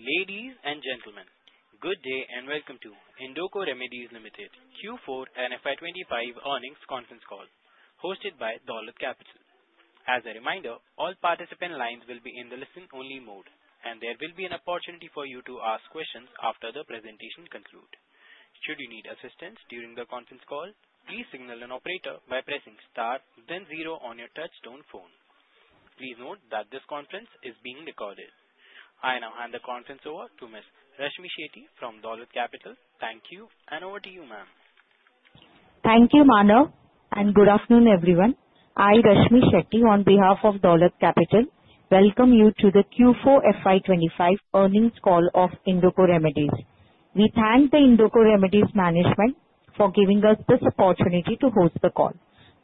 Ladies and gentlemen, good day and welcome to Indoco Remedies Limited Q4 and FY25 earnings conference call, hosted by Dolat Capital. As a reminder, all participant lines will be in the listen-only mode, and there will be an opportunity for you to ask questions after the presentation concludes. Should you need assistance during the conference call, please signal an operator by pressing star, then zero on your touchtone phone. Please note that this conference is being recorded. I now hand the conference over to Ms. Rashmi Sancheti from Dolat Capital. Thank you, and over to you, ma'am. Thank you, Manav, and good afternoon, everyone. I, Rashmi Sancheti, on behalf of Dolat Capital, welcome you to the Q4 FY25 earnings call of Indoco Remedies. We thank the Indoco Remedies management for giving us this opportunity to host the call.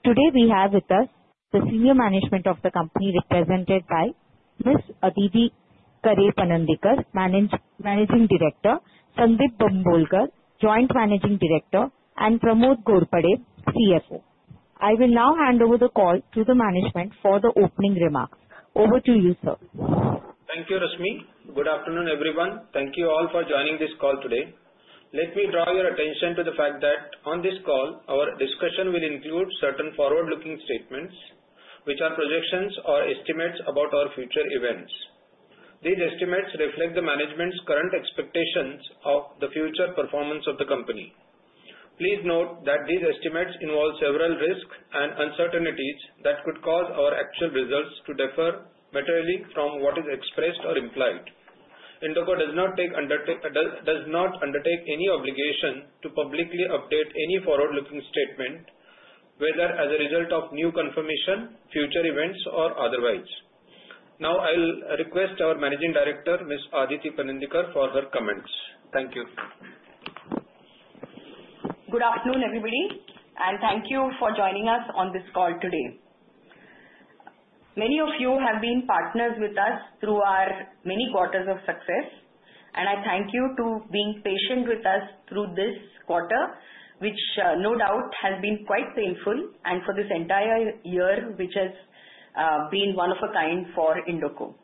Today, we have with us the senior management of the company represented by Ms. Aditi Kare Panandikar, Managing Director, Sundeep Bambolkar, Joint Managing Director, and Pramod Ghorpade, CFO. I will now hand over the call to the management for the opening remarks. Over to you, sir. Thank you, Rashmi. Good afternoon, everyone. Thank you all for joining this call today. Let me draw your attention to the fact that on this call, our discussion will include certain forward-looking statements, which are projections or estimates about our future events. These estimates reflect the management's current expectations of the future performance of the company. Please note that these estimates involve several risks and uncertainties that could cause our actual results to differ materially from what is expressed or implied. Indoco does not undertake any obligation to publicly update any forward-looking statement, whether as a result of new confirmation, future events, or otherwise. Now, I'll request our Managing Director, Ms. Aditi Panandikar, for her comments. Thank you. Good afternoon, everybody, and thank you for joining us on this call today. Many of you have been partners with us through our many quarters of success, and I thank you for being patient with us through this quarter, which no doubt has been quite painful for this entire year, which has been one of a kind for Indoco.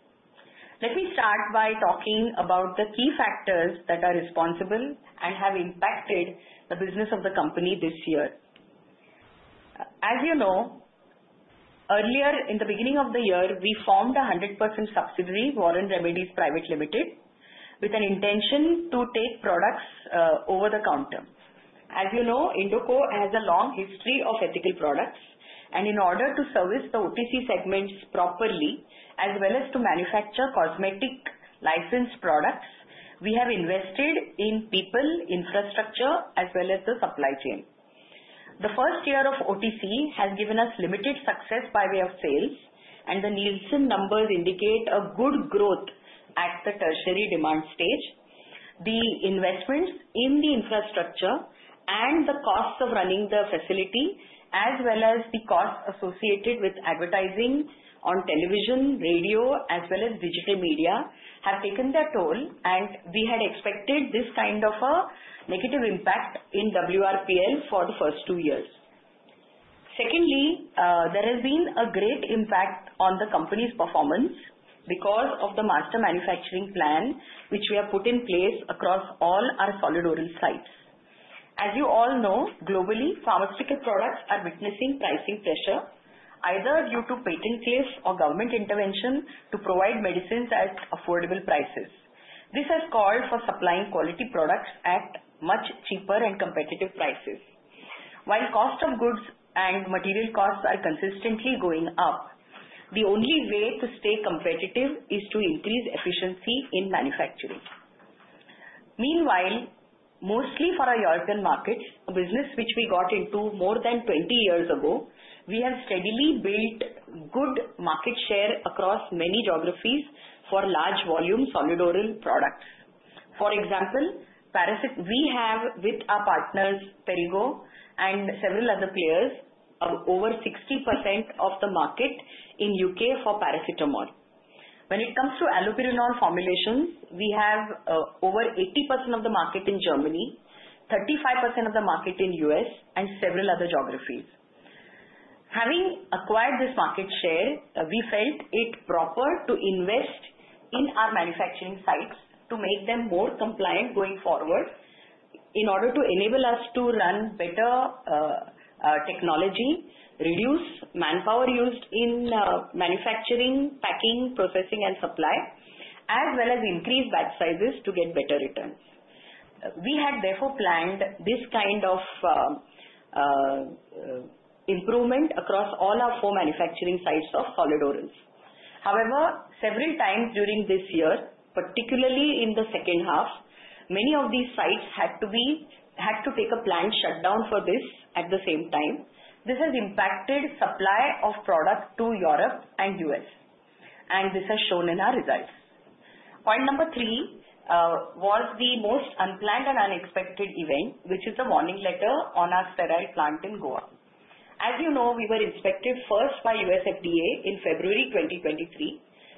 Let me start by talking about the key factors that are responsible and have impacted the business of the company this year. As you know, earlier in the beginning of the year, we formed a 100% subsidiary, Warren Remedies Private Limited, with an intention to take products over the counter. As you know, Indoco has a long history of ethical products, and in order to service the OTC segments properly, as well as to manufacture cosmetic licensed products, we have invested in people, infrastructure, as well as the supply chain. The first year of OTC has given us limited success by way of sales, and the Nielsen numbers indicate a good growth at the tertiary demand stage. The investments in the infrastructure and the costs of running the facility, as well as the costs associated with advertising on television, radio, as well as digital media, have taken their toll, and we had expected this kind of a negative impact in WRPL for the first two years. Secondly, there has been a great impact on the company's performance because of the Master Manufacturing Plan, which we have put in place across all our solid orals sites. As you all know, globally, pharmaceutical products are witnessing pricing pressure, either due to patent claims or government intervention to provide medicines at affordable prices. This has called for supplying quality products at much cheaper and competitive prices. While the cost of goods and material costs are consistently going up, the only way to stay competitive is to increase efficiency in manufacturing. Meanwhile, mostly for our European markets, a business which we got into more than 20 years ago, we have steadily built good market share across many geographies for large volume solid orals products. For example, we have, with our partners, Perrigo and several other players, over 60% of the market in the UK for paracetamol. When it comes to allopurinol formulations, we have over 80% of the market in Germany, 35% of the market in the US, and several other geographies. Having acquired this market share, we felt it proper to invest in our manufacturing sites to make them more compliant going forward in order to enable us to run better technology, reduce manpower used in manufacturing, packing, processing, and supply, as well as increase batch sizes to get better returns. We had therefore planned this kind of improvement across all our four manufacturing sites of solid orals. However, several times during this year, particularly in the second half, many of these sites had to take a planned shutdown for this at the same time. This has impacted the supply of product to Europe and the U.S., and this has shown in our results. Point number three was the most unplanned and unexpected event, which is the Warning Letter on our sterile plant in Goa. As you know, we were inspected first by US FDA in February 2023,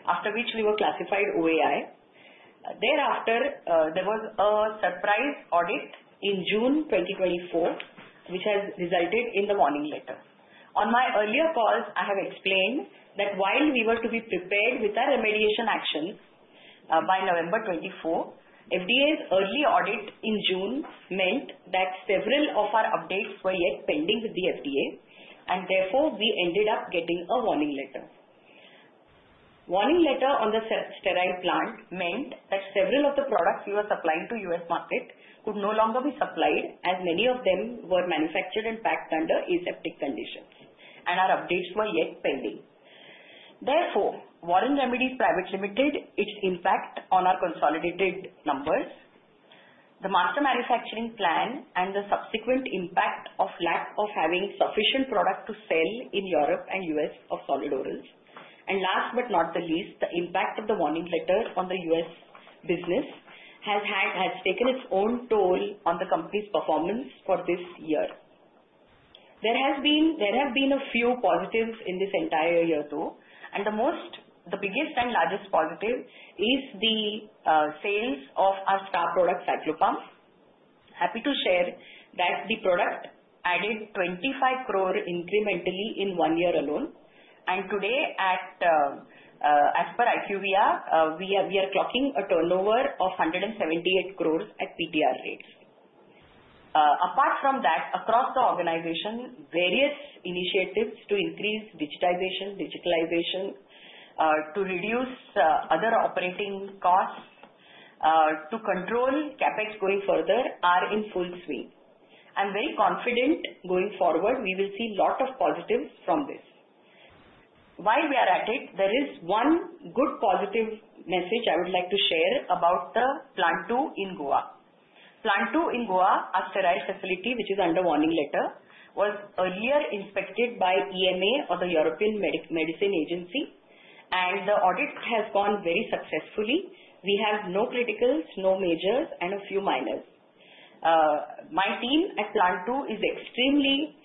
after which we were classified OAI. Thereafter, there was a surprise audit in June 2024, which has resulted in the warning letter. On my earlier calls, I have explained that while we were to be prepared with our remediation actions by November 24, FDA's early audit in June meant that several of our updates were yet pending with the FDA, and therefore we ended up getting a warning letter. The warning letter on the sterile plant meant that several of the products we were supplying to the US market could no longer be supplied, as many of them were manufactured and packed under aseptic conditions, and our updates were yet pending. Therefore, Warren Remedies Private Limited, its impact on our consolidated numbers, the Master Manufacturing Plan, and the subsequent impact of lack of having sufficient product to sell in Europe and the U.S. of solid orals, and last but not the least, the impact of the Warning Letter on the U.S. business has taken its own toll on the company's performance for this year. There have been a few positives in this entire year though, and the biggest and largest positive is the sales of our star product, Cyclopam. Happy to share that the product added 25 crore incrementally in one year alone, and today, as per IQVIA, we are clocking a turnover of 178 crores at PTR rates. Apart from that, across the organization, various initiatives to increase digitization, digitalization, to reduce other operating costs, to control CapEx going further are in full swing. I'm very confident going forward we will see a lot of positives from this. While we are at it, there is one good positive message I would like to share about the Plant II in Goa. Plant II in Goa, our sterile facility, which is under Warning Letter, was earlier inspected by EMA, or the European Medicines Agency, and the audit has gone very successfully. We have no criticals, no majors, and a few minors. My team at Plant II is extremely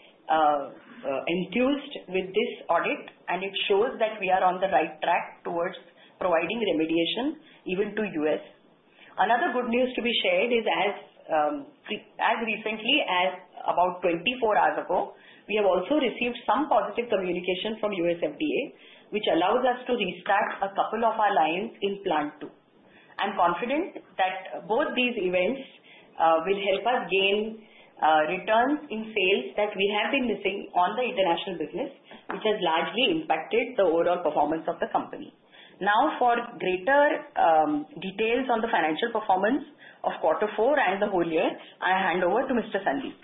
enthused with this audit, and it shows that we are on the right track towards providing remediation even to the U.S. Another good news to be shared is, as recently as about 24 hours ago, we have also received some positive communication from U.S. FDA, which allows us to restart a couple of our lines in Plant II. I'm confident that both these events will help us gain returns in sales that we have been missing on the international business, which has largely impacted the overall performance of the company. Now, for greater details on the financial performance of quarter four and the whole year, I hand over to Mr. Sandeep.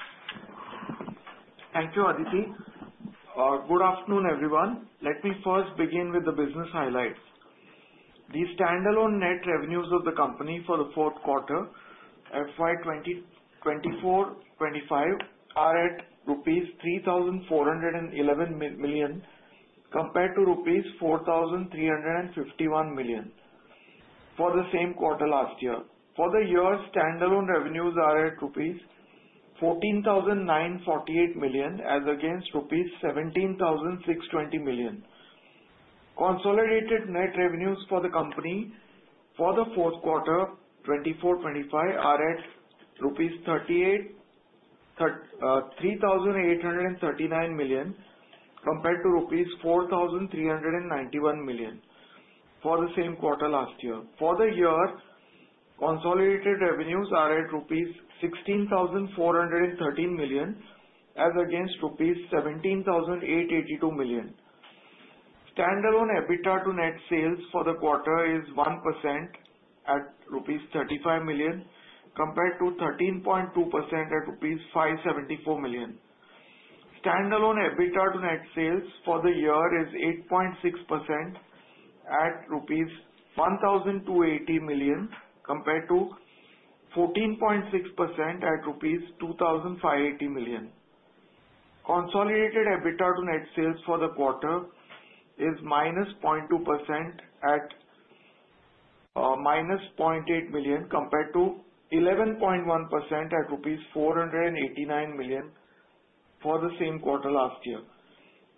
Thank you, Aditi. Good afternoon, everyone. Let me first begin with the business highlights. The standalone net revenues of the company for the fourth quarter, FY24-25, are at rupees 3,411 million compared to rupees 4,351 million for the same quarter last year. For the year, standalone revenues are at rupees 14,948 million, as against rupees 17,620 million. Consolidated net revenues for the company for the fourth quarter, 24-25, are at 3,839 million compared to rupees 4,391 million for the same quarter last year. For the year, consolidated revenues are at rupees 16,413 million, as against rupees 17,882 million. Standalone EBITDA to net sales for the quarter is 1% at rupees 35 million compared to 13.2% at rupees 574 million. Standalone EBITDA to net sales for the year is 8.6% at rupees 1,280 million compared to 14.6% at rupees 2,580 million. Consolidated EBITDA to net sales for the quarter is -0.2% at -0.8 million compared to 11.1% at rupees 489 million for the same quarter last year.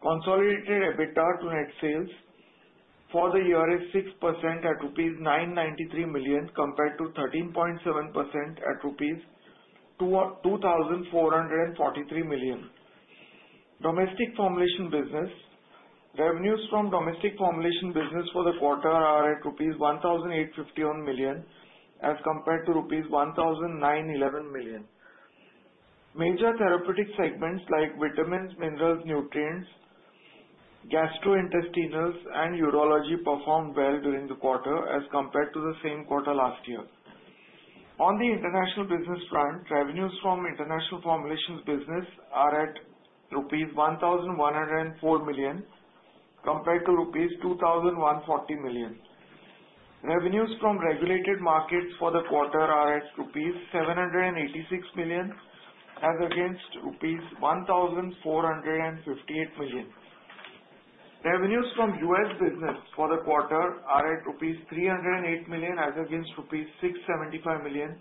Consolidated EBITDA to net sales for the year is 6% at rupees 993 million compared to 13.7% at rupees 2,443 million. Domestic formulation business revenues from domestic formulation business for the quarter are at rupees 1,851 million as compared to rupees 1,911 million. Major therapeutic segments like vitamins, minerals, nutrients, gastrointestinals, and urology performed well during the quarter as compared to the same quarter last year. On the international business front, revenues from international formulation business are at rupees 1,104 million compared to rupees 2,140 million. Revenues from regulated markets for the quarter are at rupees 786 million as against rupees 1,458 million. Revenues from U.S. business for the quarter are at rupees 308 million as against rupees 675 million.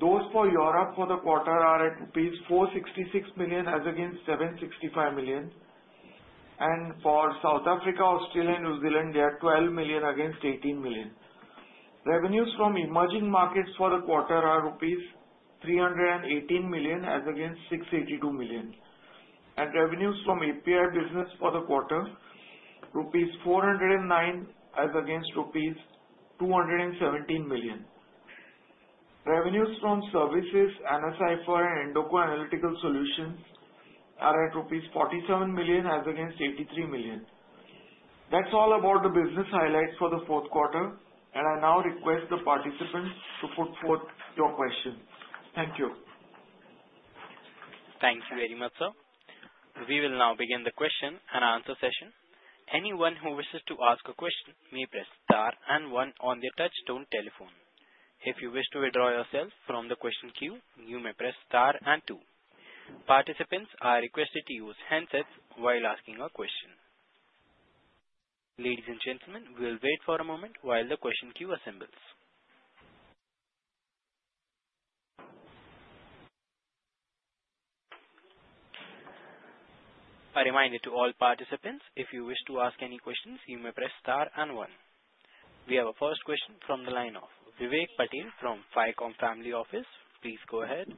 Those for Europe for the quarter are at rupees 466 million as against 765 million rupees. And for South Africa, Australia, and New Zealand, they are 12 million against 18 million. Revenues from emerging markets for the quarter are rupees 318 million as against 682 million rupees. And revenues from API business for the quarter, rupees 409 million as against rupees 217 million. Revenues from services, AnaCipher, and Indoco Analytical Solutions are at rupees 47 million as against 83 million. That's all about the business highlights for the fourth quarter, and I now request the participants to put forth your questions. Thank you. Thank you very much, sir. We will now begin the question and answer session. Anyone who wishes to ask a question may press star and one on the touch-tone telephone. If you wish to withdraw yourself from the question queue, you may press star and two. Participants are requested to use handsets while asking a question. Ladies and gentlemen, we will wait for a moment while the question queue assembles. A reminder to all participants, if you wish to ask any questions, you may press star and one. We have a first question from the line of Vivek Ficom Family Office. please go ahead.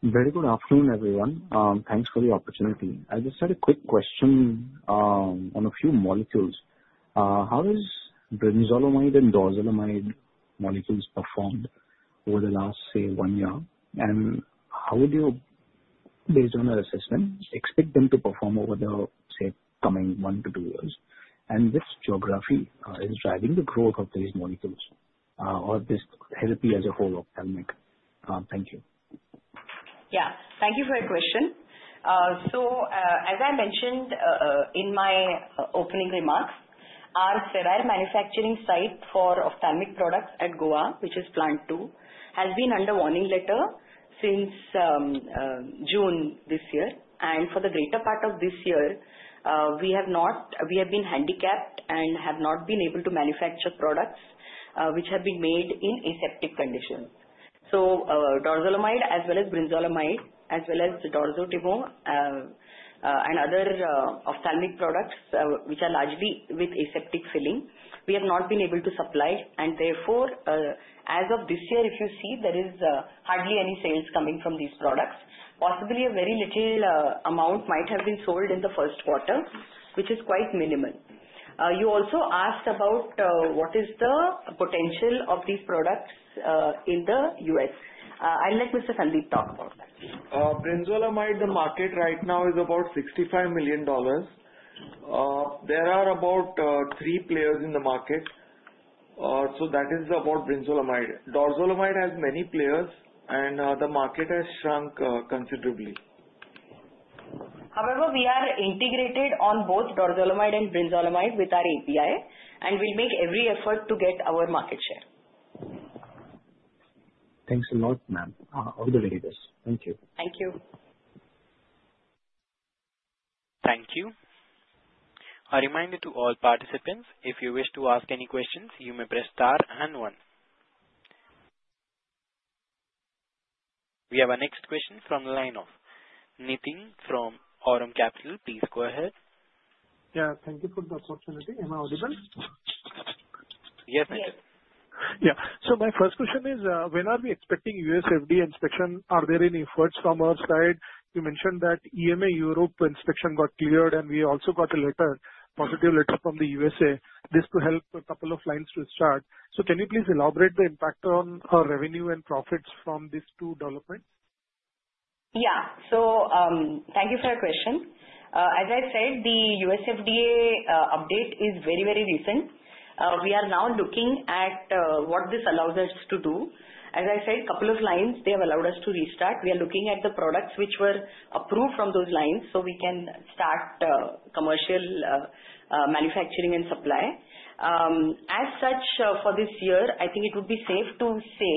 Very good afternoon, everyone. Thanks for the opportunity. I just had a quick question on a few molecules. How has brinzolamide and dorzolamide molecules performed over the last, say, one year? And how do you, based on our assessment, expect them to perform over the, say, coming one to two years? And which geography is driving the growth of these molecules or this therapy as a whole of ophthalmic? Thank you. Yeah, thank you for your question. So, as I mentioned in my opening remarks, our sterile manufacturing site for ophthalmic products at Goa, which is Plant II, has been under Warning Letter since June this year. And for the greater part of this year, we have been handicapped and have not been able to manufacture products which have been made in aseptic conditions. So, dorzolamide, as well as brinzolamide, as well as dorzolamide timolol, and other ophthalmic products which are largely with aseptic filling, we have not been able to supply. And therefore, as of this year, if you see, there is hardly any sales coming from these products. Possibly, a very little amount might have been sold in the first quarter, which is quite minimal. You also asked about what is the potential of these products in the U.S. I'll let Mr. Sandeep talk about that. brinzolamide, the market right now is about $65 million. There are about three players in the market. So that is about brinzolamide. dorzolamide has many players, and the market has shrunk considerably. However, we are integrated on both dorzolamide and brinzolamide with our API, and we'll make every effort to get our market share. Thanks a lot, ma'am, all the ladies. Thank you. Thank you. Thank you. A reminder to all participants, if you wish to ask any questions, you may press star and one. We have a next question from the line of Nithin from Aum Capital. Please go ahead. Yeah, thank you for the opportunity. Am I audible? Yes, Nithin. Yeah. So my first question is, when are we expecting US FDA inspection? Are there any efforts from our side? You mentioned that EMA Europe inspection got cleared, and we also got a positive letter from the USA. This could help a couple of lines to start. So can you please elaborate the impact on our revenue and profits from these two developments? Yeah. So thank you for your question. As I said, the U.S. FDA update is very, very recent. We are now looking at what this allows us to do. As I said, a couple of lines, they have allowed us to restart. We are looking at the products which were approved from those lines so we can start commercial manufacturing and supply. As such, for this year, I think it would be safe to say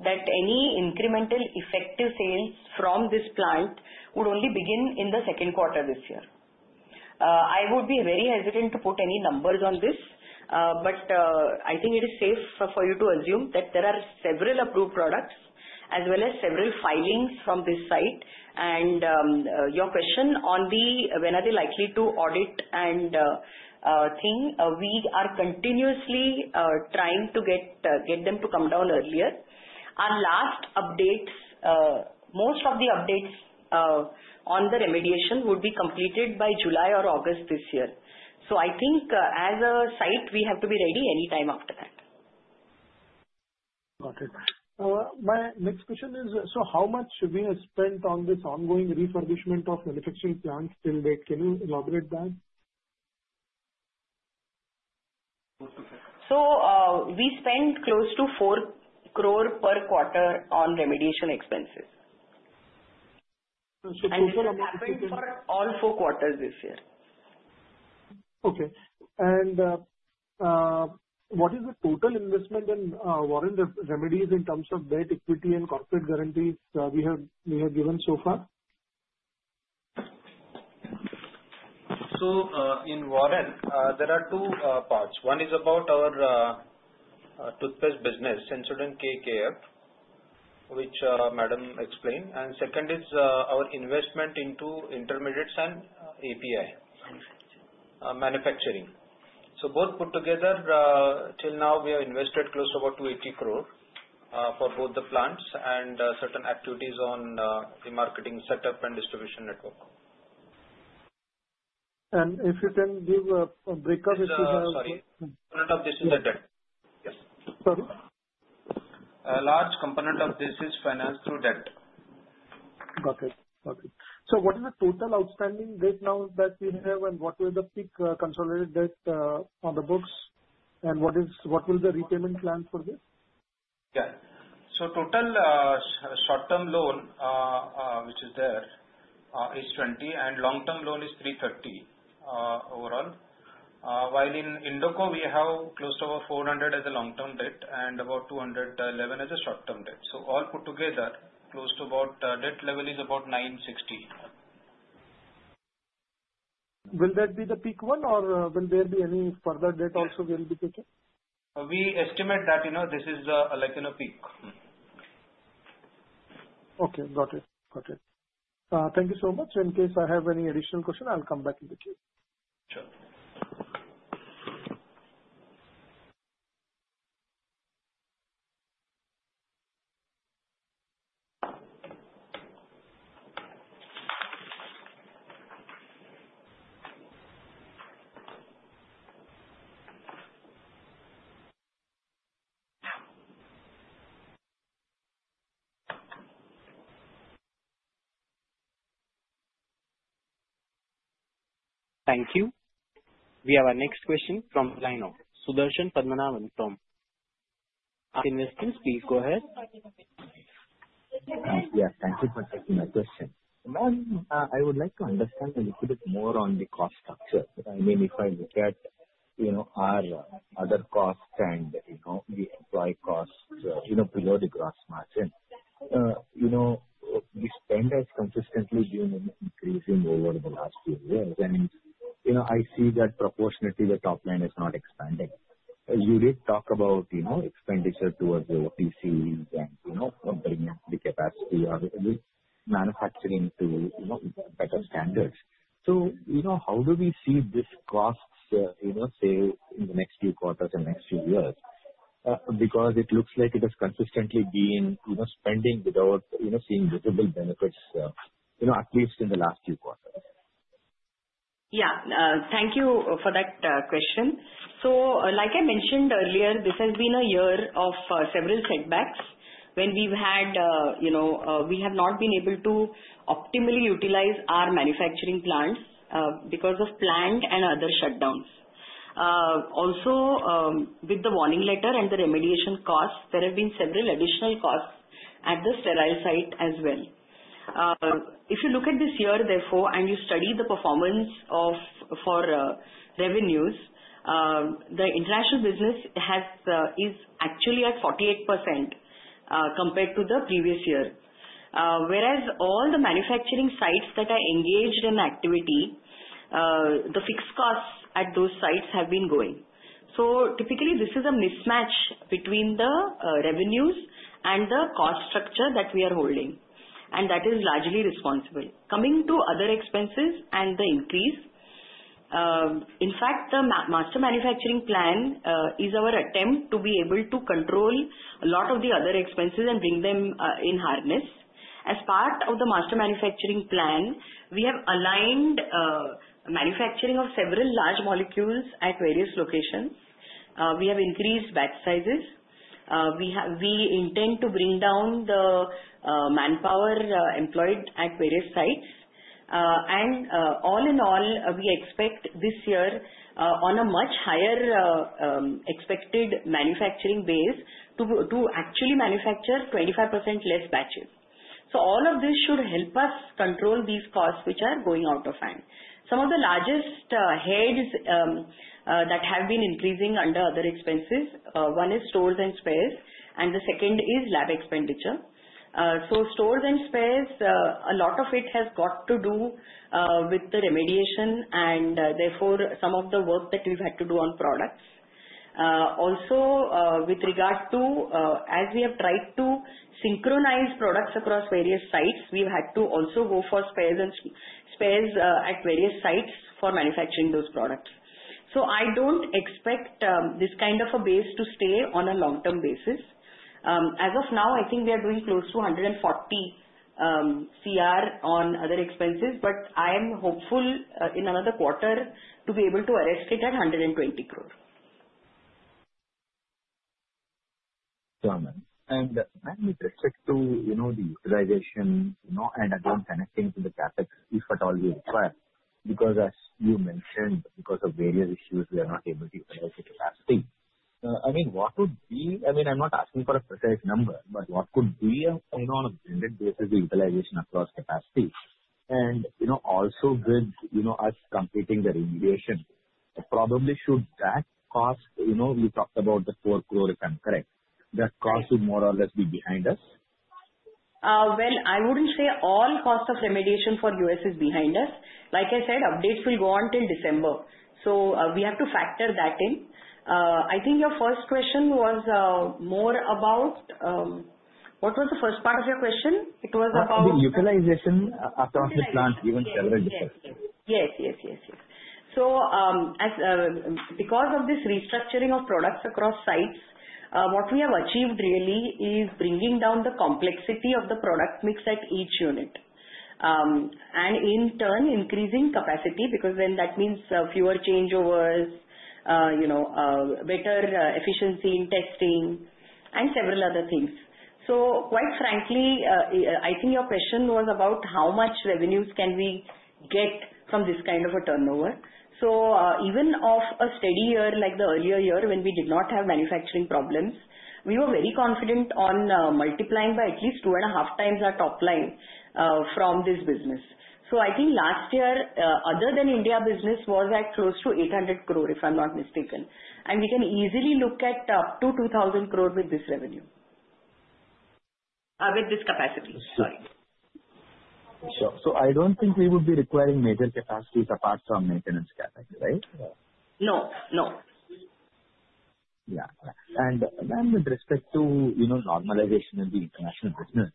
that any incremental effective sales from this plant would only begin in the second quarter this year. I would be very hesitant to put any numbers on this, but I think it is safe for you to assume that there are several approved products as well as several filings from this site. And your question on when are they likely to audit and things, we are continuously trying to get them to come down earlier. Our last updates, most of the updates on the remediation would be completed by July or August this year. So I think as a site, we have to be ready anytime after that. Got it. My next question is, so how much should we have spent on this ongoing refurbishment of manufacturing plants till date? Can you elaborate that? We spend close to 4 crore per quarter on remediation expenses. Total amount? All four quarters this year. Okay, and what is the total investment in Warren Remedies in terms of net equity and corporate guarantees we have given so far? So in Warren, there are two parts. One is about our toothpaste business, Sensodent-KF, which Madam explained. And second is our investment into intermediates and API manufacturing. So both put together, till now, we have invested close to about 280 crore for both the plants and certain activities on the marketing setup and distribution network. If you can give a breakup if you have? Large component of this is a debt. Sorry? A large component of this is financed through debt. Got it. Got it. So what is the total outstanding debt now that we have, and what will the peak consolidated debt on the books, and what will the repayment plan for this? Yeah. So total short-term loan, which is there, is 20, and long-term loan is 330 overall. While in Indoco, we have close to about 400 as a long-term debt and about 211 as a short-term debt. So all put together, close to about debt level is about 960. Will that be the peak one, or will there be any further debt also we'll be taking? We estimate that this is like a peak. Okay. Got it. Got it. Thank you so much. In case I have any additional question, I'll come back and get you. Sure. Thank you. We have our next question from the line of Sudarshan Padmanabhan from Invesco. Please go ahead. Yes. Thank you for taking my question. I would like to understand a little bit more on the cost structure. I mean, if I look at our other costs and the employee costs below the gross margin, we spend as consistently increasing over the last few years, and I see that proportionately, the top line is not expanding. You did talk about expenditure towards the OTCs and bringing up the capacity of manufacturing to better standards, so how do we see these costs, say, in the next few quarters and next few years? Because it looks like it has consistently been spending without seeing visible benefits, at least in the last few quarters. Yeah. Thank you for that question. So like I mentioned earlier, this has been a year of several setbacks when we have not been able to optimally utilize our manufacturing plants because of plant and other shutdowns. Also, with the warning letter and the remediation costs, there have been several additional costs at the sterile site as well. If you look at this year, therefore, and you study the performance for revenues, the international business is actually at 48% compared to the previous year. Whereas all the manufacturing sites that are engaged in activity, the fixed costs at those sites have been going. So typically, this is a mismatch between the revenues and the cost structure that we are holding. That is largely responsible. Coming to other expenses and the increase, in fact, the Master Manufacturing Plan is our attempt to be able to control a lot of the other expenses and bring them in harness. As part of the Master Manufacturing Plan, we have aligned manufacturing of several large molecules at various locations. We have increased batch sizes. We intend to bring down the manpower employed at various sites. And all in all, we expect this year, on a much higher expected manufacturing base, to actually manufacture 25% less batches. So all of this should help us control these costs which are going out of hand. Some of the largest heads that have been increasing under other expenses, one is stores and spares, and the second is lab expenditure. Stores and spares, a lot of it has got to do with the remediation and therefore some of the work that we've had to do on products. Also, with regard to, as we have tried to synchronize products across various sites, we've had to also go for spares at various sites for manufacturing those products. I don't expect this kind of a base to stay on a long-term basis. As of now, I think we are doing close to 140 crore on other expenses, but I am hopeful in another quarter to be able to arrest it at 120 crore. With respect to the utilization and again connecting to the CAPEX, if at all we require, because as you mentioned, because of various issues, we are not able to utilize the capacity. I mean, what would be I mean, I'm not asking for a precise number, but what could be on a blended basis, the utilization across capacity? And also with us completing the remediation, probably should that cost we talked about the four crore, if I'm correct, that cost should more or less be behind us? I wouldn't say all cost of remediation for U.S. is behind us. Like I said, updates will go on till December. We have to factor that in. I think your first question was more about what was the first part of your question? It was about. The utilization across the plants even several different. Yes. Yes. Yes. Yes. So because of this restructuring of products across sites, what we have achieved really is bringing down the complexity of the product mix at each unit. And in turn, increasing capacity because then that means fewer changeovers, better efficiency in testing, and several other things. So quite frankly, I think your question was about how much revenues can we get from this kind of a turnover. So even of a steady year like the earlier year when we did not have manufacturing problems, we were very confident on multiplying by at least two and a half times our top line from this business. So I think last year, other than India business, was at close to 800 crore, if I'm not mistaken. And we can easily look at up to 2,000 crore with this revenue. With this capacity. Sorry. So I don't think we would be requiring major capacities apart from maintenance CAPEX, right? No. No. Yeah. And then with respect to normalization in the international business,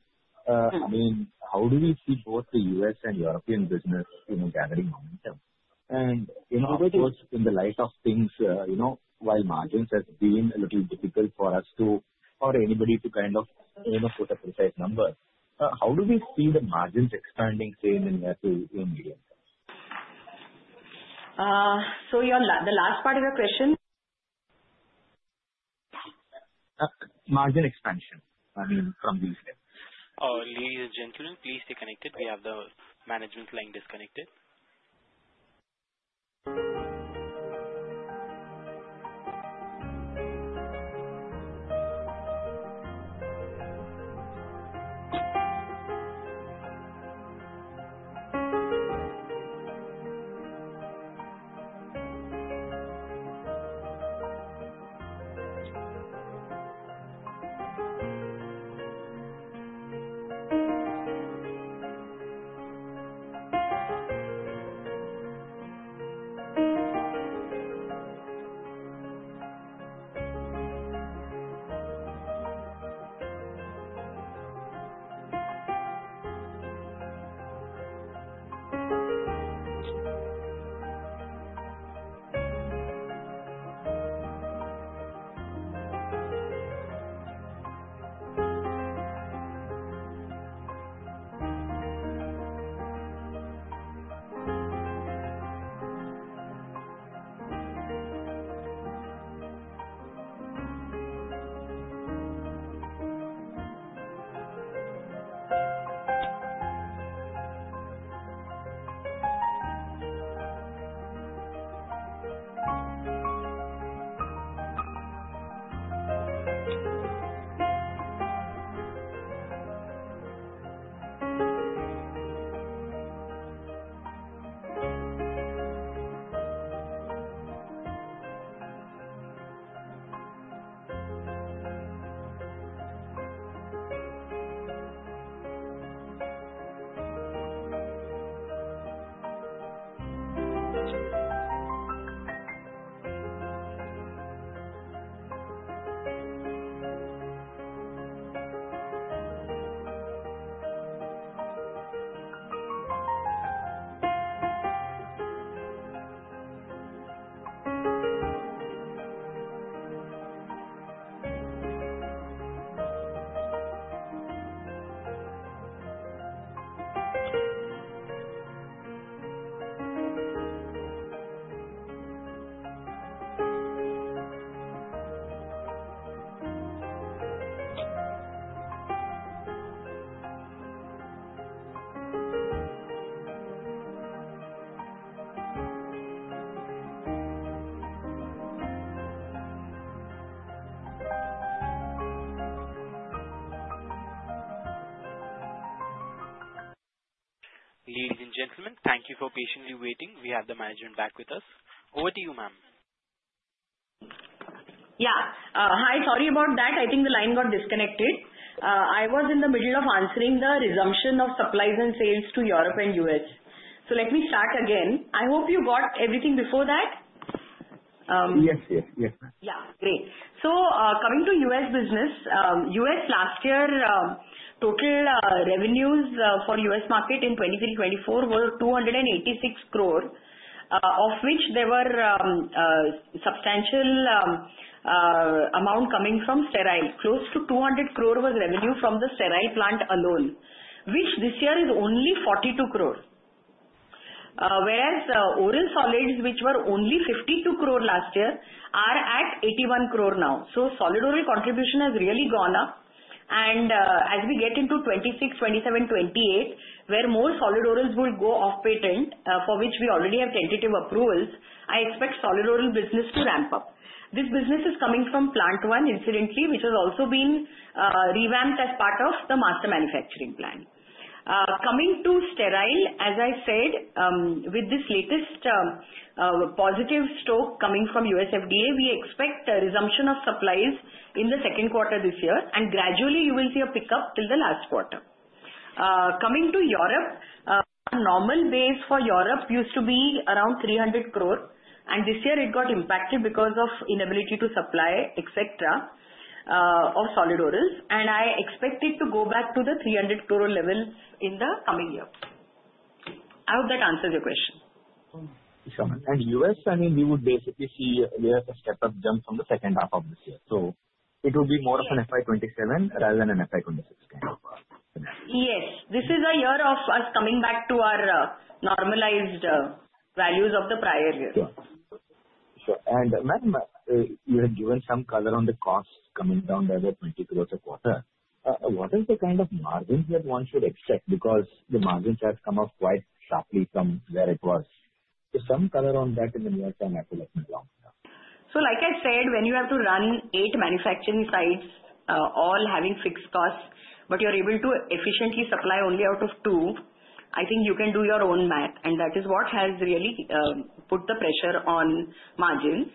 I mean, how do we see both the U.S. and European business gathering momentum? And in light of things, while margins have been a little difficult for us or anybody to kind of put a precise number, how do we see the margins expanding in the medium term? So the last part of your question? Margin expansion, I mean, from these? Oh, ladies and gentlemen, please stay connected. We have the management line disconnected. Ladies and gentlemen, thank you for patiently waiting. We have the management back with us. Over to you, ma'am. Yeah. Hi. Sorry about that. I think the line got disconnected. I was in the middle of answering the resumption of supplies and sales to Europe and U.S., so let me start again. I hope you got everything before that. Yes. Yes. Yes, ma'am. Yeah. Great. So coming to U.S. business, U.S. last year total revenues for U.S. market in 2023/24 were 286 crore, of which there were substantial amount coming from sterile. Close to 200 crore was revenue from the sterile plant alone, which this year is only 42 crore. Whereas solid orals, which were only 52 crore last year, are at 81 crore now. So solid orals contribution has really gone up. And as we get into 2026, 2027, 2028, where more solid orals will go off patent, for which we already have tentative approvals, I expect solid orals business to ramp up. This business is coming from Plant I, incidentally, which has also been revamped as part of the Master Manufacturing Plan. Coming to sterile, as I said, with this latest positive stroke coming from U.S. FDA, we expect resumption of supplies in the second quarter this year. Gradually, you will see a pickup till the last quarter. Coming to Europe, normal base for Europe used to be around 300 crore. This year, it got impacted because of inability to supply, etc., of solid orals. I expect it to go back to the 300 crore level in the coming year. I hope that answers your question. U.S., I mean, we would basically see a step-up jump from the second half of this year. It would be more of an FY27 rather than an FY26 kind of scenario. Yes. This is a year of us coming back to our normalized values of the prior year. Sure. Sure. And ma'am, you have given some color on the costs coming down by about 20 crore a quarter. What is the kind of margin that one should expect? Because the margins have come up quite sharply from where it was. So some color on that in the near term, I feel like no longer. So like I said, when you have to run eight manufacturing sites all having fixed costs, but you're able to efficiently supply only out of two, I think you can do your own math. And that is what has really put the pressure on margins.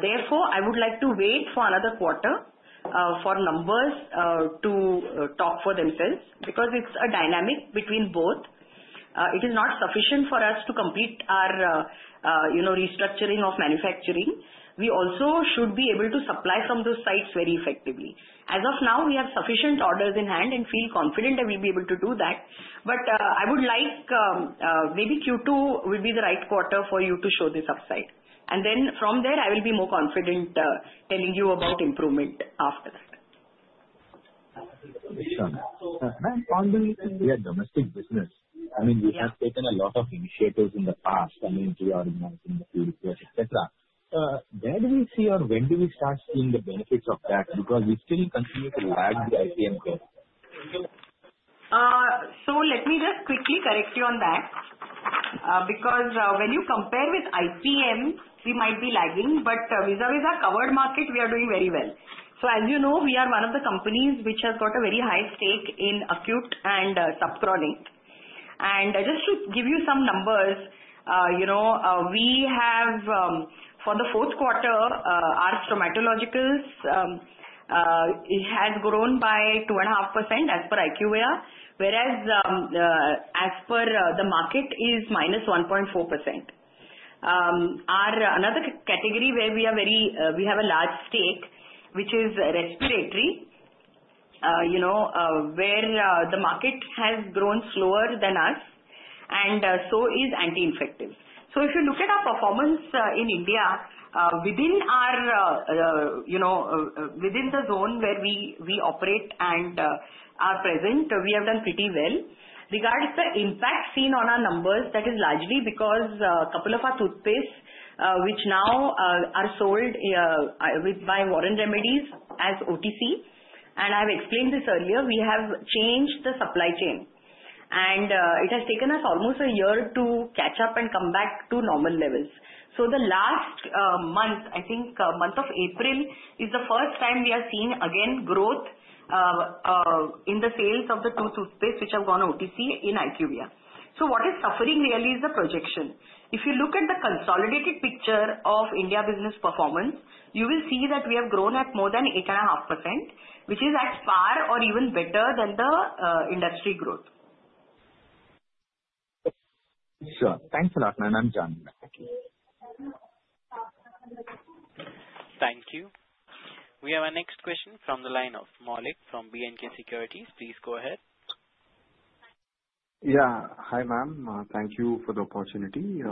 Therefore, I would like to wait for another quarter for numbers to talk for themselves because it's a dynamic between both. It is not sufficient for us to complete our restructuring of manufacturing. We also should be able to supply from those sites very effectively. As of now, we have sufficient orders in hand and feel confident that we'll be able to do that. But I would like maybe Q2 would be the right quarter for you to show this upside. And then from there, I will be more confident telling you about improvement after that. Yes. On the U.S. domestic business, I mean, we have taken a lot of initiatives in the past, I mean, through our investment, through research, etc. Where do we see or when do we start seeing the benefits of that? Because we still continue to lag the IPM curve. Let me just quickly correct you on that. Because when you compare with IPM, we might be lagging. But vis-à-vis a covered market, we are doing very well. So as you know, we are one of the companies which has got a very high stake in acute and subchronic. And just to give you some numbers, we have for the fourth quarter, our stomatologicals has grown by 2.5% as per IQVIA, whereas as per the market is minus 1.4%. Another category where we have a large stake, which is respiratory, where the market has grown slower than us, and so is anti-infective. So if you look at our performance in India, within the zone where we operate and are present, we have done pretty well. Regarding the impact seen on our numbers, that is largely because a couple of our toothpastes, which now are sold by Warren Remedies as OTC, and I have explained this earlier, we have changed the supply chain, and it has taken us almost a year to catch up and come back to normal levels, so the last month, I think month of April, is the first time we are seeing again growth in the sales of the toothpastes, which have gone OTC in IQVIA, so what is suffering really is the projection. If you look at the consolidated picture of India business performance, you will see that we have grown at more than 8.5%, which is at par or even better than the industry growth. Sure. Thanks a lot, ma'am. I'm done. Thank you. Thank you. We have a next question from the line of Malik from BNK Securities. Please go ahead. Yeah. Hi, ma'am. Thank you for the opportunity.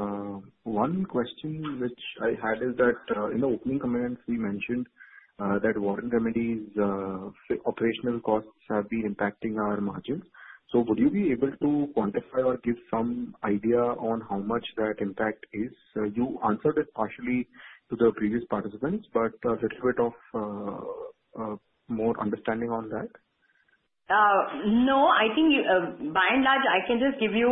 One question which I had is that in the opening comments, we mentioned that Warren Remedies' operational costs have been impacting our margins. So would you be able to quantify or give some idea on how much that impact is? You answered it partially to the previous participants, but a little bit of more understanding on that. No. I think by and large, I can just give you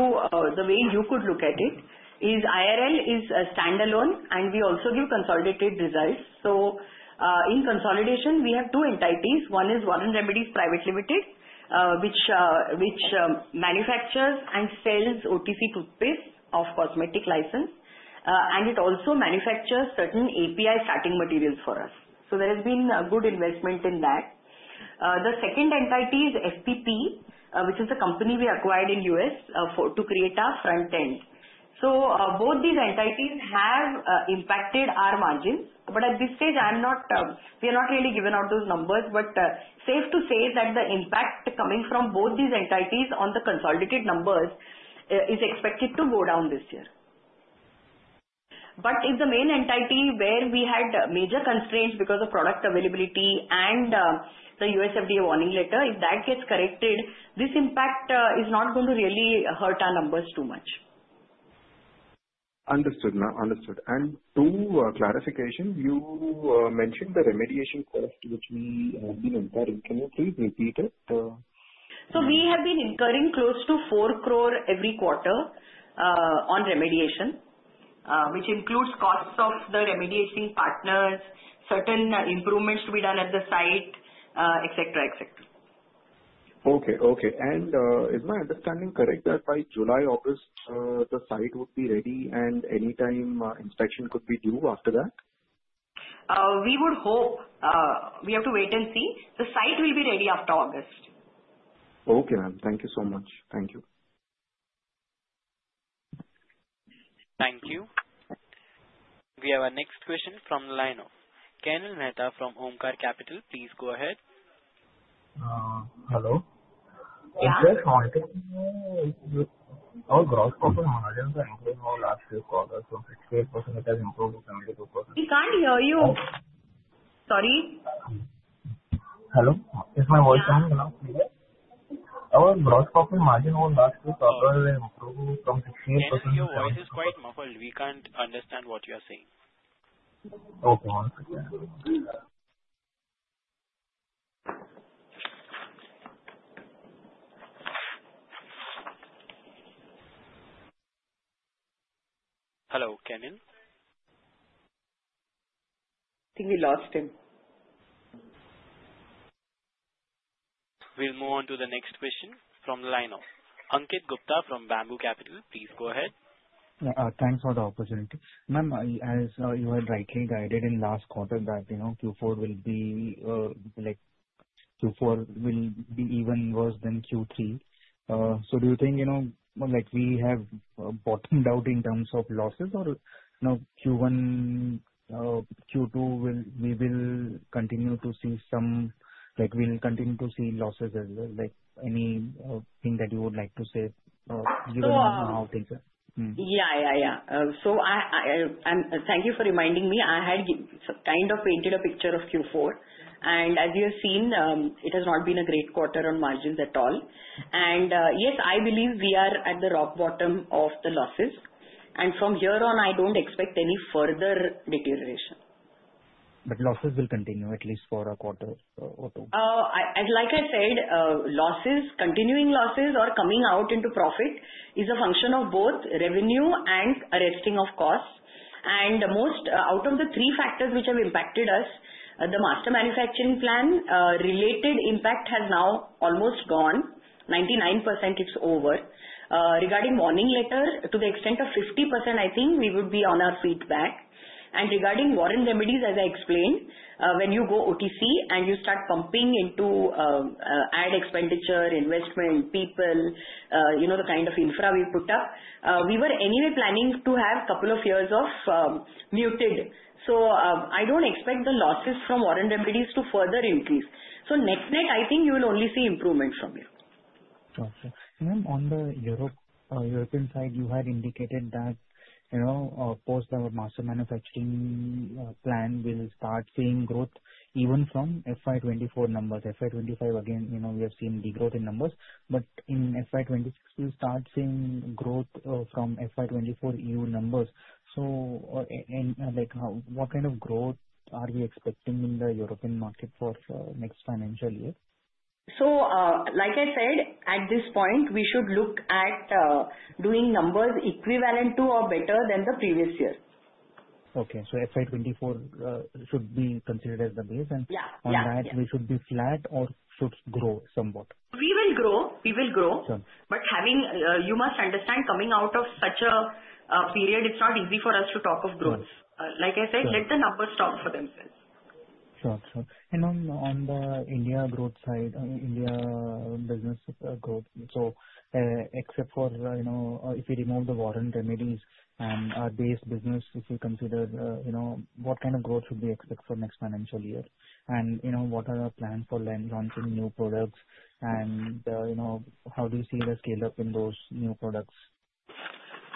the way you could look at it is IRL is standalone, and we also give consolidated results. So in consolidation, we have two entities. One is Warren Remedies Private Limited, which manufactures and sells OTC toothpaste of cosmetic license. And it also manufactures certain API starting materials for us. So there has been a good investment in that. The second entity is FPP, which is a company we acquired in U.S. to create our front end. So both these entities have impacted our margins. But at this stage, we are not really given out those numbers. But safe to say that the impact coming from both these entities on the consolidated numbers is expected to go down this year. But if the main entity where we had major constraints because of product availability and the U.S. FDA warning letter, if that gets corrected, this impact is not going to really hurt our numbers too much. Understood. Understood. And for clarification, you mentioned the remediation cost, which we have been incurring. Can you please repeat it? So we have been incurring close to four crore every quarter on remediation, which includes costs of the remediation partners, certain improvements to be done at the site, etc., etc. Okay. Okay. And is my understanding correct that by July, August, the site would be ready, and anytime inspection could be due after that? We would hope. We have to wait and see. The site will be ready after August. Okay, ma'am. Thank you so much. Thank you. Thank you. We have a next question from the line of Kenil Mehta from Omkara Capital. Please go ahead. Hello. Have our gross profit margins improved over the last few quarters from 68%? It has improved to 72%. We can't hear you. Sorry. Hello? Is my voice coming enough clear? Our gross profit margin over the last few quarters has improved from 68% to 72%. We can't understand what you are saying. Okay. One second. Hello, Kunal? I think we lost him. We'll move on to the next question from the line of Ankit Gupta from Bamboo Capital. Please go ahead. Thanks for the opportunity. Ma'am, as you had rightly guided in last quarter that Q4 will be even worse than Q3. So do you think we have bottomed out in terms of losses or Q1, Q2, we will continue to see some losses as well? Anything that you would like to say given how things are? So thank you for reminding me. I had kind of painted a picture of Q4. And as you have seen, it has not been a great quarter on margins at all. And yes, I believe we are at the rock bottom of the losses. And from here on, I don't expect any further deterioration. But losses will continue at least for a quarter or two? Like I said, losses, continuing losses or coming out into profit is a function of both revenue and arresting of costs. And out of the three factors which have impacted us, the Master Manufacturing Plan related impact has now almost gone. 99% it's over. Regarding Warning Letter, to the extent of 50%, I think we would be back on our feet. And regarding Warren Remedies, as I explained, when you go OTC and you start pumping into ad expenditure, investment, people, the kind of infra we put up, we were anyway planning to have a couple of years of muted. So I don't expect the losses from Warren Remedies to further increase. So net net, I think you will only see improvement from Europe. Okay. Ma'am, on the European side, you had indicated that post our Master Manufacturing Plan will start seeing growth even from FY24 numbers. FY25, again, we have seen degrowth in numbers. But in FY26, we'll start seeing growth from FY24 EU numbers. So what kind of growth are we expecting in the European market for next financial year? So like I said, at this point, we should look at doing numbers equivalent to or better than the previous year. Okay, so FY24 should be considered as the base. Yeah. On that, we should be flat or should grow somewhat? We will grow. We will grow. But you must understand, coming out of such a period, it's not easy for us to talk of growth. Like I said, let the numbers talk for themselves. Sure. Sure. And on the India growth side, India business growth, so except for if you remove the Warren Remedies and our base business, if you coAnaCipherder what kind of growth should we expect for next financial year? And what are our plans for launching new products? And how do you see the scale-up in those new products?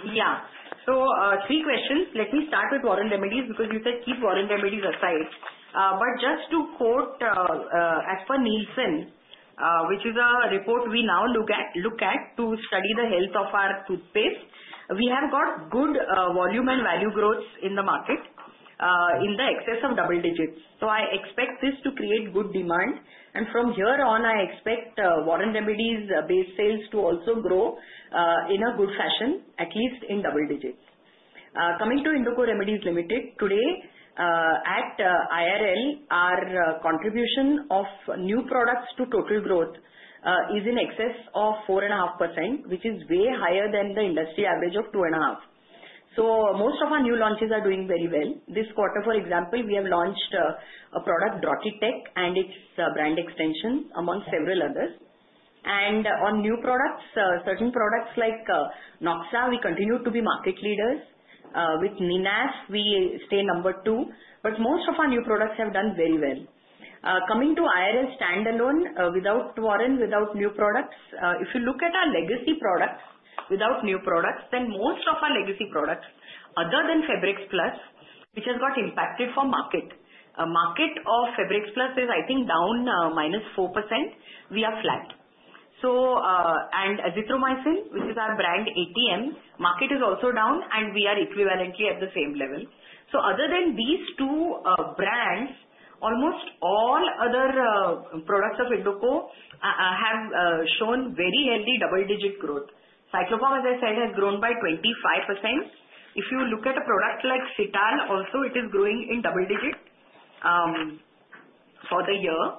Yeah. So three questions. Let me start with Warren Remedies because you said keep Warren Remedies aside. But just to quote, as per Nielsen, which is a report we now look at to study the health of our toothpaste, we have got good volume and value growth in the market in excess of double digits. So I expect this to create good demand. And from here on, I expect Warren Remedies-based sales to also grow in a good fashion, at least in double digits. Coming to Indoco Remedies Limited, today at IRL, our contribution of new products to total growth is in excess of 4.5%, which is way higher than the industry average of 2.5%. So most of our new launches are doing very well. This quarter, for example, we have launched a product, Drotin, and its brand extension among several others. On new products, certain products like Noxa, we continue to be market leaders. With Niona, we stay number two. Most of our new products have done very well. Coming to IRL standalone without Warren, without new products, if you look at our legacy products without new products, then most of our legacy products, other than Febrex Plus, which has got impacted from market. Market of Febrex Plus is, I think, down -4%. We are flat. Azithromycin, which is our brand ATM, market is also down, and we are equivalently at the same level. Other than these two brands, almost all other products of Indoco have shown very healthy double-digit growth. Cyclopam, as I said, has grown by 25%. If you look at a product like Cital, also, it is growing in double digit for the year.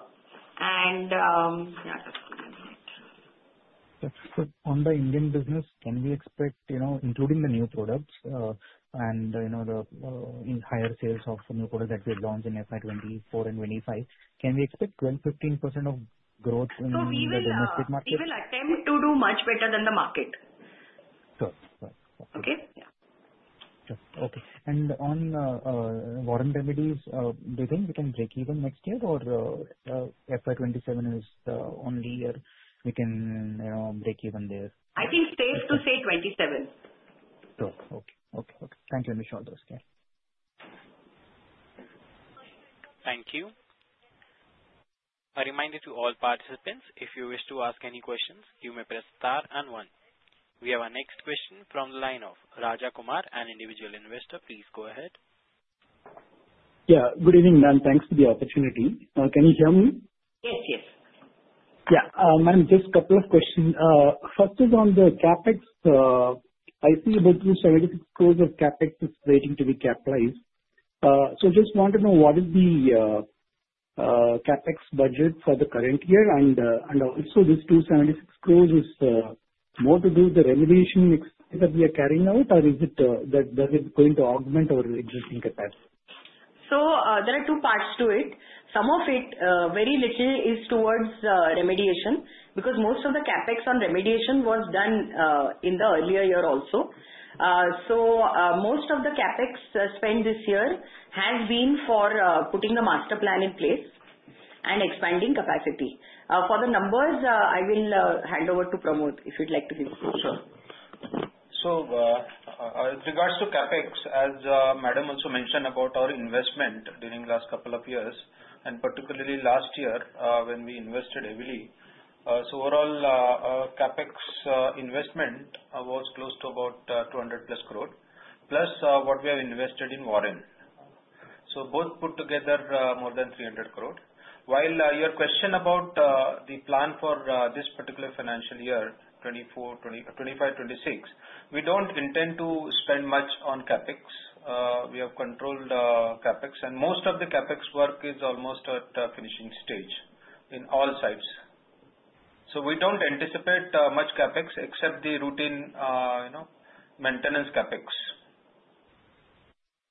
Yeah, that's it. On the Indian business, can we expect, including the new products and the higher sales of new products that we have launched in FY24 and 25, can we expect 12%-15% of growth in the domestic market? We will attempt to do much better than the market. Sure. Sure. Okay. Okay. Okay. And on Warren Remedies, do you think we can break even next year or FY27 is the only year we can break even there? I think safe to say 27. Sure. Okay. Thank you, Anish. All the best. Thank you. A reminder to all participants, if you wish to ask any questions, you may press star and one. We have a next question from the line of Rajakumar, an individual investor. Please go ahead. Yeah. Good evening, ma'am. Thanks for the opportunity. Can you hear me? Yes. Yes. Yeah. Ma'am, just a couple of questions. First is on the CapEx. I see about 276 crores of CapEx is waiting to be capitalized. So I just want to know what is the CapEx budget for the current year. And also, this 276 crores is more to do with the remediation expenses that we are carrying out, or is it that it's going to augment our existing capacity? There are two parts to it. Some of it, very little, is towards remediation because most of the CapEx on remediation was done in the earlier year also. Most of the CapEx spent this year has been for putting the master plan in place and expanding capacity. For the numbers, I will hand over to Pramod if you'd like to give a question. Sure. So with regards to CapEx, as Madam also mentioned about our investment during the last couple of years, and particularly last year when we invested heavily, so overall CapEx investment was close to about 200-plus crore, plus what we have invested in Warren. So both put together more than 300 crore. While your question about the plan for this particular financial year, 2025, 2026, we don't intend to spend much on CapEx. We have controlled CapEx, and most of the CapEx work is almost at a finishing stage in all sites. So we don't anticipate much CapEx except the routine maintenance CapEx.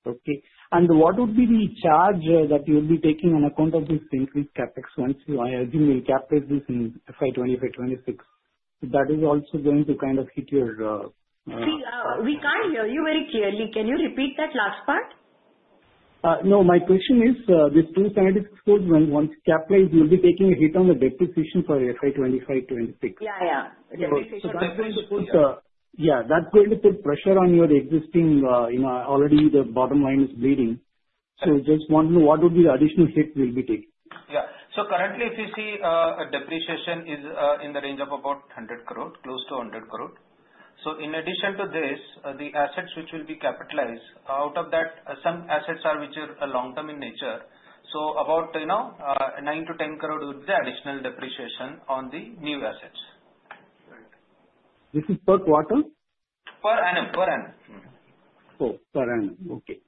Okay. And what would be the charge that you'll be taking on account of this increased CAPEX once you I assume you'll cap this in FY25, 26? That is also going to kind of hit your. See, we can't hear you very clearly. Can you repeat that last part? No. My question is, this 276 crore, once capitalized, you'll be taking a hit on the depreciation for FY25, 26? Yeah. Yeah. Depreciation on the depreciation. Yeah. That's going to put pressure on your existing already. The bottom line is bleeding. So just want to know what would be the additional hit you'll be taking? Yeah. So currently, if you see, depreciation is in the range of about 100 crore, close to 100 crore. So in addition to this, the assets which will be capitalized, out of that, some assets are which are long-term in nature. So about 9 to 10 crore would be the additional depreciation on the new assets. This is per quarter? Per annum. Oh, per annum. Okay.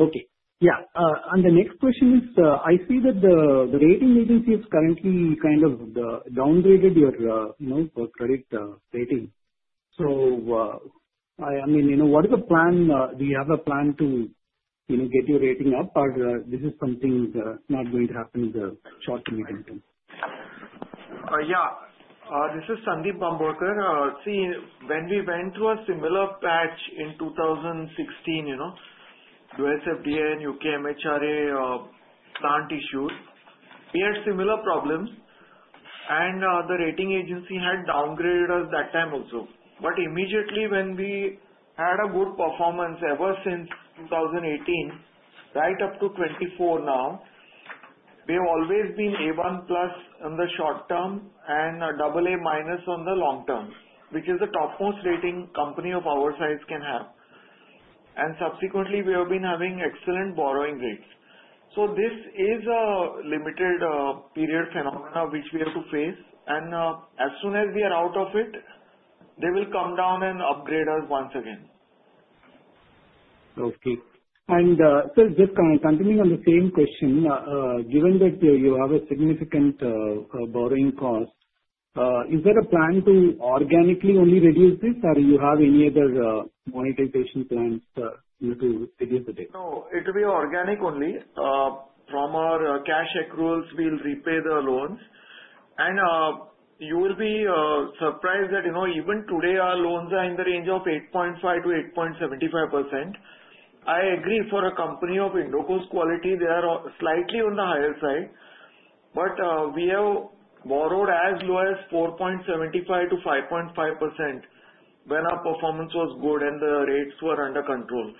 Okay. Yeah. And the next question is, I see that the rating agency has currently kind of downgraded your credit rating. So I mean, what is the plan? Do you have a plan to get your rating up, or this is something not going to happen in the short to medium term? Yeah. This is Sandeep Bambolkar. See, when we went through a similar patch in 2016, US FDA and UK MHRA plant issues, we had similar problems, and the rating agency had downgraded us that time also. But immediately when we had a good performance ever since 2018, right up to 24 now, we have always been A1 plus in the short term and AA minus on the long term, which is the topmost rating company of our size can have. And subsequently, we have been having excellent borrowing rates. So this is a limited-period phenomena which we have to face. And as soon as we are out of it, they will come down and upgrade us once again. Okay. And so just continuing on the same question, given that you have a significant borrowing cost, is there a plan to organically only reduce this, or do you have any other monetization plans to reduce the debt? No. It will be organic only. From our cash accruals, we'll repay the loans, and you will be surprised that even today, our loans are in the range of 8.5%-8.75%. I agree for a company of Indoco's quality, they are slightly on the higher side, but we have borrowed as low as 4.75%-5.5% when our performance was good and the rates were under control,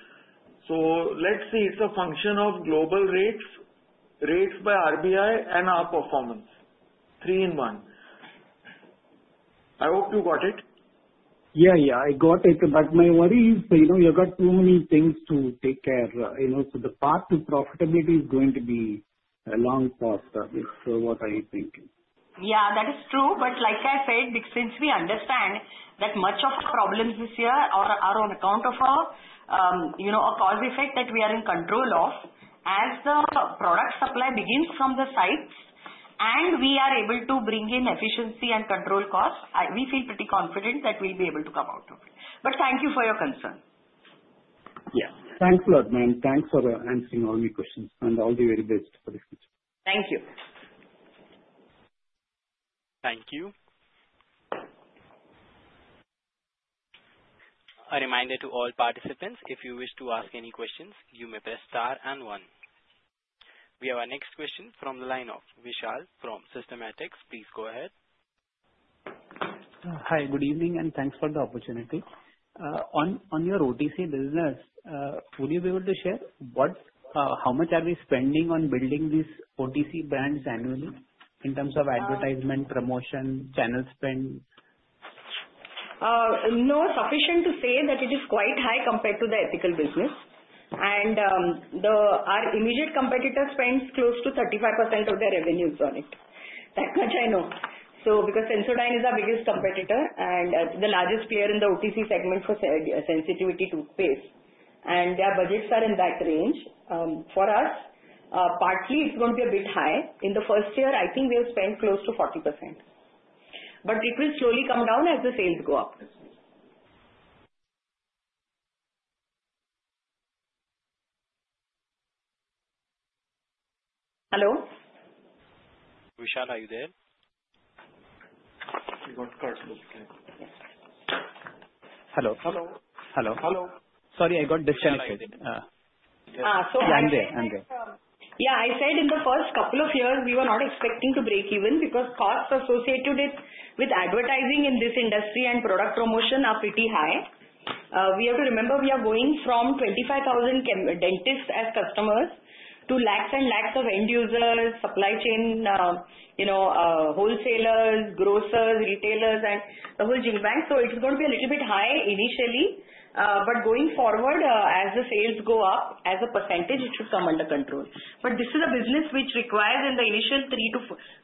so let's see. It's a function of global rates, rates by RBI, and our performance. Three in one. I hope you got it. Yeah. Yeah. I got it. But my worry is you've got too many things to take care. So the path to profitability is going to be a long path, is what I think. Yeah. That is true. But like I said, since we understand that much of our problems this year are on account of a cause effect that we are in control of, as the product supply begins from the sites, and we are able to bring in efficiency and control costs, we feel pretty confident that we'll be able to come out of it. But thank you for your concern. Yeah. Thanks a lot, ma'am. Thanks for answering all my questions. And all the very best for the future. Thank you. Thank you. A reminder to all participants, if you wish to ask any questions, you may press star and one. We have our next question from the line of Vishal from Systematix. Please go ahead. Hi. Good evening, and thanks for the opportunity. On your OTC business, would you be able to share how much are we spending on building these OTC brands annually in terms of advertisement, promotion, channel spend? No. Sufficient to say that it is quite high compared to the ethical business. And our immediate competitor spends close to 35% of their revenues on it. That much I know. So because Sensodyne is our biggest competitor and the largest player in the OTC segment for sensitivity toothpaste. And their budgets are in that range. For us, partly, it's going to be a bit high. In the first year, I think we have spent close to 40%. But it will slowly come down as the sales go up. Hello? Vishal, are you there? Got cut. Hello. Hello. Hello. Hello. Sorry, I got disconnected. Yeah. I'm there. I'm there. Yeah. I said in the first couple of years, we were not expecting to break even because costs associated with advertising in this industry and product promotion are pretty high. We have to remember we are going from 25,000 dentists as customers to lakhs and lakhs of end users, supply chain, wholesalers, grocers, retailers, and the whole ecosystem. So it's going to be a little bit high initially. But going forward, as the sales go up, as a percentage, it should come under control. But this is a business which requires, in the initial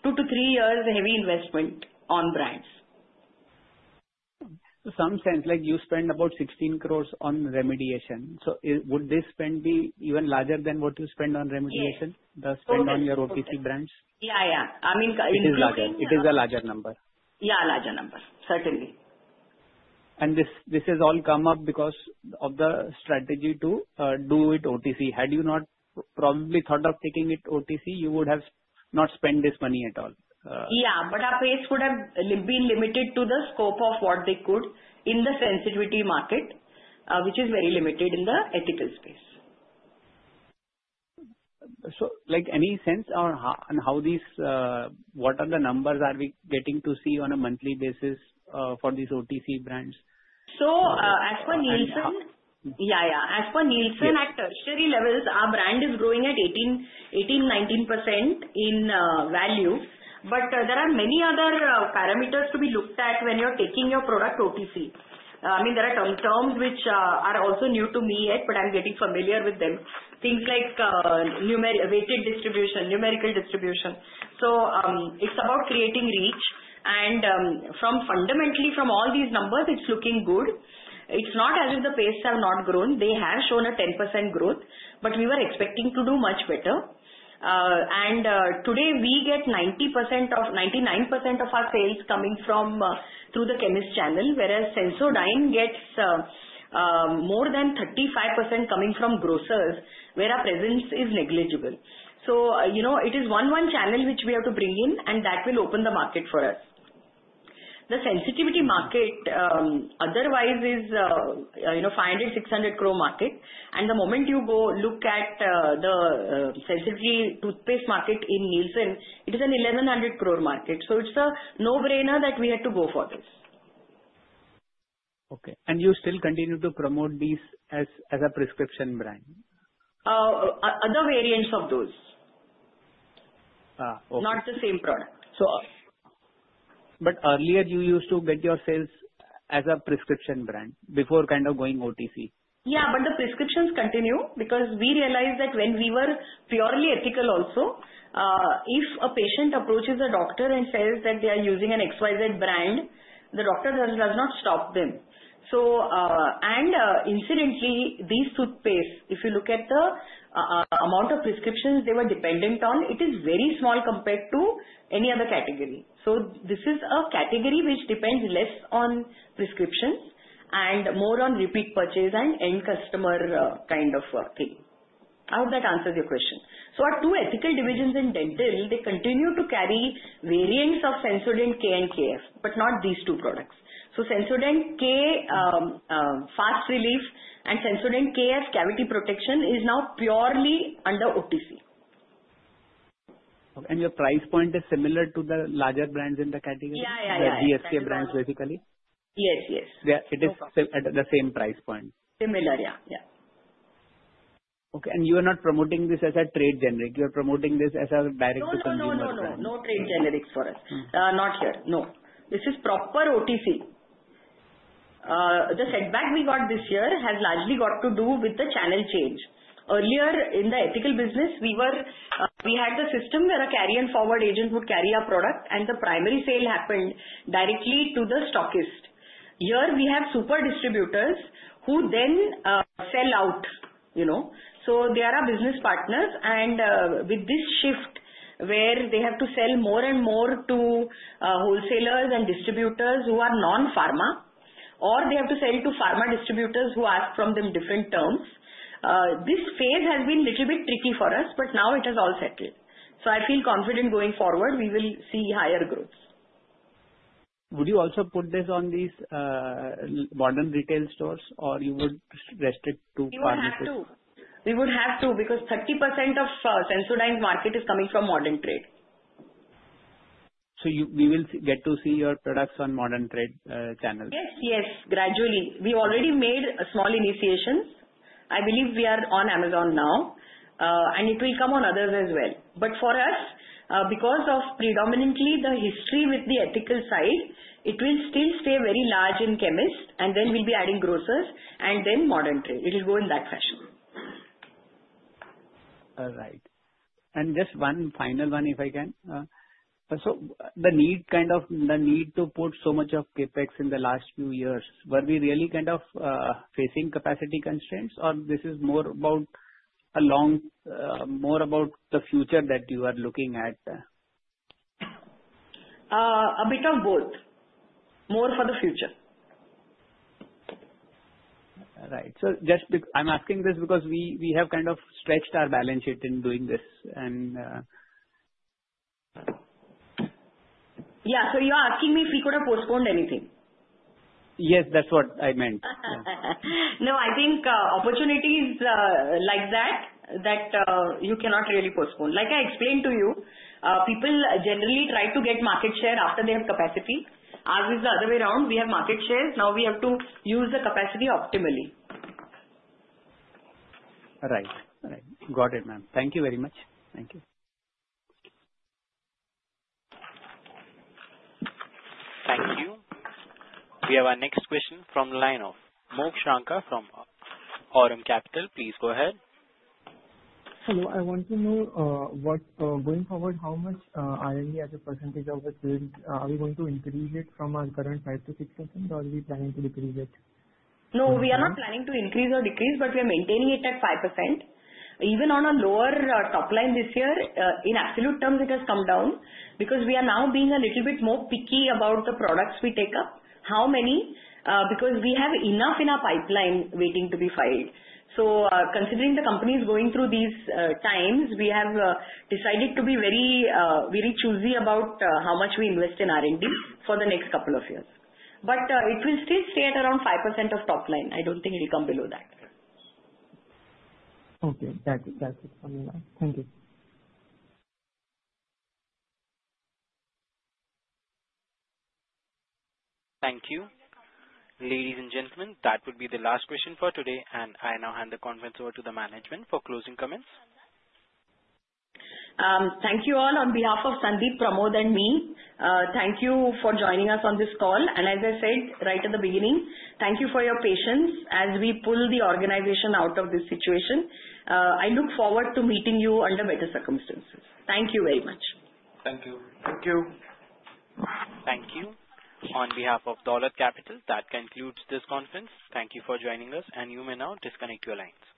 two to three years, heavy investment on brands. In some sense, you spend about 16 crores on remediation. So would this spend be even larger than what you spend on remediation, the spend on your OTC brands? Yeah. Yeah. I mean, it is larger. It is a larger number. Yeah. Larger number. Certainly. This has all come up because of the strategy to do it OTC. Had you not probably thought of taking it OTC, you would have not spent this money at all. Yeah, but our pace would have been limited to the scope of what they could in the sensitivity market, which is very limited in the ethical space. So, any sense on how these—what are the numbers—are we getting to see on a monthly basis for these OTC brands? So as per Nielsen? Yeah. Yeah. As per Nielsen, at tertiary levels, our brand is growing at 18-19% in value. But there are many other parameters to be looked at when you're taking your product OTC. I mean, there are terms which are also new to me yet, but I'm getting familiar with them. Things like weighted distribution, numerical distribution. So it's about creating reach. And fundamentally, from all these numbers, it's looking good. It's not as if the pace have not grown. They have shown a 10% growth, but we were expecting to do much better. And today, we get 99% of our sales coming through the chemist channel, whereas Sensodyne gets more than 35% coming from grocers, where our presence is negligible. So it is one-one channel which we have to bring in, and that will open the market for us. The sensitivity market, otherwise, is 500-600 crore market. The moment you go look at the sensitivity toothpaste market in Nielsen, it is a 1,100 crore market. It's a no-brainer that we have to go for this. Okay. And you still continue to promote these as a prescription brand? Other variants of those. Not the same product. But earlier, you used to get your sales as a prescription brand before kind of going OTC. Yeah. But the prescriptions continue because we realized that when we were purely ethical also, if a patient approaches a doctor and says that they are using an XYZ brand, the doctor does not stop them. And incidentally, these toothpastes, if you look at the amount of prescriptions they were dependent on, it is very small compared to any other category. So this is a category which depends less on prescriptions and more on repeat purchase and end customer kind of thing. I hope that answers your question. So our two ethical divisions in dental, they continue to carry variants of Sensodent-K and Sensodent-KF, but not these two products. So Sensodent-K Fast Relief and Sensodent-KF Cavity Protection is now purely under OTC. Your price point is similar to the larger brands in the category? Yeah. Yeah. Yeah. The GSK brands, basically? Yes. Yes. It is at the same price point? Similar. Yeah. Yeah. Okay. And you are not promoting this as a trade generic. You are promoting this as a direct-to-consumer product. No. No. No. No trade generics for us. Not here. No. This is proper OTC. The setback we got this year has largely got to do with the channel change. Earlier, in the ethical business, we had the system where a carry-and-forward agent would carry our product, and the primary sale happened directly to the stockist. Here, we have super distributors who then sell out. So they are our business partners. And with this shift where they have to sell more and more to wholesalers and distributors who are non-pharma, or they have to sell to pharma distributors who ask from them different terms, this phase has been a little bit tricky for us, but now it has all settled. So I feel confident going forward. We will see higher growth. Would you also put this on these modern retail stores, or you would restrict to pharmaceuticals? We would have to. We would have to because 30% of Sensodyne's market is coming from modern trade. So we will get to see your products on modern trade channels? Yes. Yes. Gradually. We already made small initiations. I believe we are on Amazon now, and it will come on others as well. But for us, because of predominantly the history with the ethical side, it will still stay very large in chemists, and then we'll be adding grocers, and then modern trade. It will go in that fashion. All right. And just one final one, if I can. So the need kind of to put so much of CAPEX in the last few years, were we really kind of facing capacity constraints, or this is more about the future that you are looking at? A bit of both. More for the future. All right, so I'm asking this because we have kind of stretched our balance sheet in doing this, and. Yeah. So you're asking me if we could have postponed anything? Yes. That's what I meant. No. I think opportunities like that, that you cannot really postpone. Like I explained to you, people generally try to get market share after they have capacity. Ours is the other way around. We have market shares. Now we have to use the capacity optimally. All right. All right. Got it, ma'am. Thank you very much. Thank you. Thank you. We have our next question from the line of Moksh from Aum Capital. Please go ahead. Hello. I want to know what going forward, how much R&D as a percentage of it, are we going to increase it from our current 5%-6%, or are we planning to decrease it? No. We are not planning to increase or decrease, but we are maintaining it at 5%. Even on a lower top line this year, in absolute terms, it has come down because we are now being a little bit more picky about the products we take up, how many, because we have enough in our pipeline waiting to be filed. So considering the company is going through these times, we have decided to be very choosy about how much we invest in R&D for the next couple of years. But it will still stay at around 5% of top line. I don't think it will come below that. Okay. That's it from me. Thank you. Thank you. Ladies and gentlemen, that would be the last question for today, and I now hand the conference over to the management for closing comments. Thank you all on behalf of Sundeep, Pramod and me. Thank you for joining us on this call, and as I said right at the beginning, thank you for your patience as we pull the organization out of this situation. I look forward to meeting you under better circumstances. Thank you very much. Thank you. Thank you. Thank you. On behalf of Dolat Capital, that concludes this conference. Thank you for joining us, and you may now disconnect your lines.